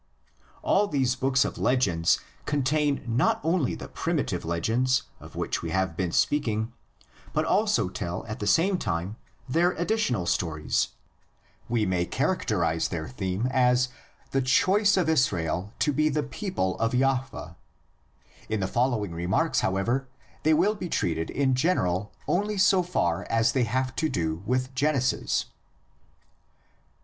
All these books of legends contain not only the primitive legends, of which we have been speaking, but also tell at the same time their additional stories; we may (with Wildeboer) characterise their theme as "the choice of Israel to be the people of Jahveh"; in the following remarks, however, they will be treated in general only so far as they have to do with Genesis.